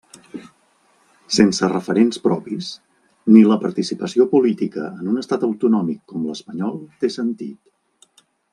Sense referents propis, ni la participació política en un Estat autonòmic com l'espanyol té sentit.